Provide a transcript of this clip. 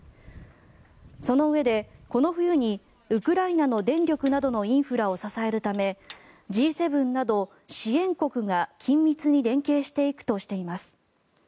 そのうえでこの冬にウクライナの電力などのインフラを支えるためＧ７など支援国が緊密に連携していくとしています。